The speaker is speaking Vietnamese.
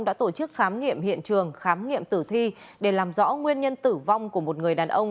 đã tổ chức khám nghiệm hiện trường khám nghiệm tử thi để làm rõ nguyên nhân tử vong của một người đàn ông